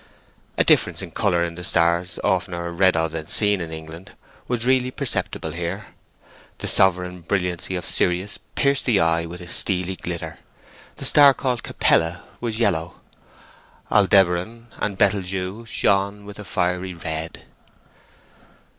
A difference of colour in the stars—oftener read of than seen in England—was really perceptible here. The sovereign brilliancy of Sirius pierced the eye with a steely glitter, the star called Capella was yellow, Aldebaran and Betelgueux shone with a fiery red.